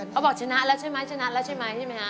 เขาบอกชนะแล้วใช่ไหมชนะแล้วใช่ไหมใช่ไหมฮะ